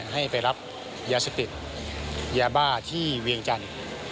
ให้ไปรับยาเสพติดยาบ้าที่เวียงจันทร์